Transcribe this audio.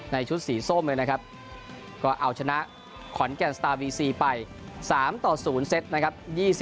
ชุดสีส้มเลยนะครับก็เอาชนะขอนแก่นสตาร์บีซีไป๓ต่อ๐เซตนะครับ